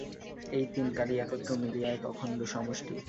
এই তিন কালই একত্র মিলিয়া এক অখণ্ড সমষ্টি।